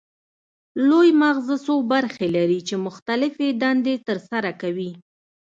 لوی مغزه څو برخې لري چې مختلفې دندې ترسره کوي